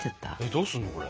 どうすんのこれ。